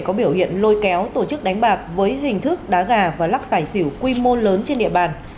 có biểu hiện lôi kéo tổ chức đánh bạc với hình thức đá gà và lắc tài xỉu quy mô lớn trên địa bàn